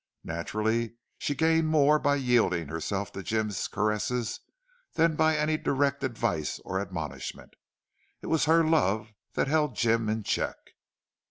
Naturally she gained more by yielding herself to Jim's caresses than by any direct advice or admonishment. It was her love that held Jim in check.